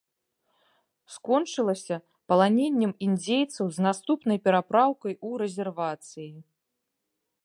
Скончылася паланеннем індзейцаў з наступнай перапраўкай у рэзервацыі.